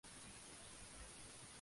No disponen de memoria.